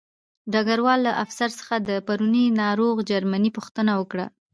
ډګروال له افسر څخه د پرونۍ ناروغ جرمني پوښتنه وکړه